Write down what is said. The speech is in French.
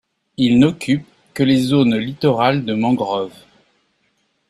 Il n'occupe que les zones littorales de mangroves.